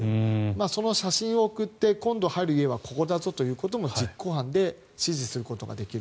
その写真を送って今度入る家はここだぞということも実行犯で指示することができる。